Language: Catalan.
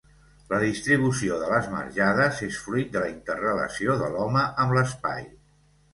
La distribució de les marjades és fruit de la interrelació de l'home amb l'espai.